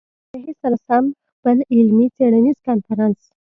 له لايحې سره سم خپل علمي-څېړنيز کنفرانس